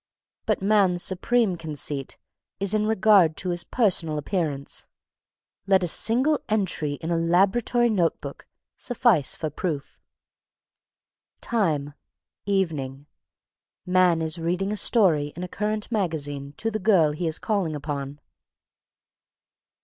But man's supreme conceit is in regard to his personal appearance. Let a single entry in a laboratory note book suffice for proof. _Time, evening. MAN is reading a story in a current magazine to the GIRL he is calling upon.